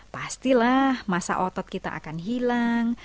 pastilah masa otot kita akan hilang